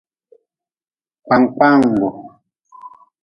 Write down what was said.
Kpakpangu.